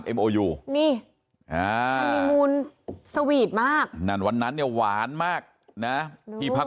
กำลังเอมโอยูนี่อ้าวสวีตมากนั่นวันนั้นในหวานมากนะพี่พราค